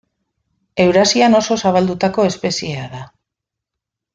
Eurasian oso zabaldutako espeziea da.